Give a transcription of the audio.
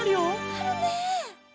あるね！